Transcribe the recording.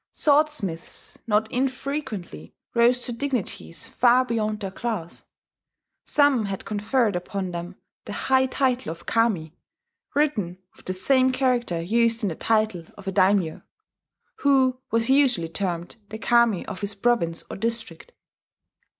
Sword smiths not infrequently rose to dignities far beyond their class: some had conferred upon them the high title of Kami, written with the same character used in the title of a daimyo, who was usually termed the Kami of his province or district.